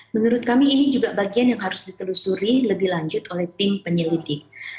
menurut kami ini juga bagian yang harus ditelusuri lebih lanjut oleh tim penyelidik